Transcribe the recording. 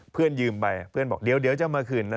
ยืมไปเพื่อนบอกเดี๋ยวจะมาคืนนะ